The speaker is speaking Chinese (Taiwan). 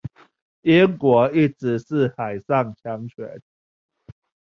英國一直是海上強權